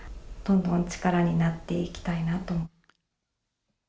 どんどん力になっていきたいなと。